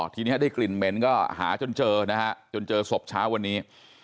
ทีนี้ได้กลิ่นเหม็นก็หาจนเจอนะฮะจนเจอศพเช้าวันนี้